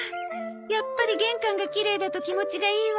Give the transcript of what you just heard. やっぱり玄関がきれいだと気持ちがいいわ。